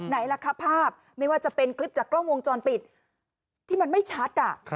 ไหนล่ะครับภาพไม่ว่าจะเป็นคลิปจากกล้องวงจรปิดที่มันไม่ชัด